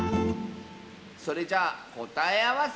それじゃあこたえあわせ！